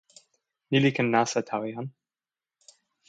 ni li ken nasa tawa jan.